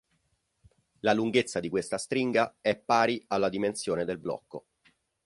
La lunghezza di questa stringa è pari alla dimensione del blocco.